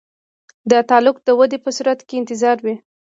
د تعلیق د دورې په صورت کې انتظار وي.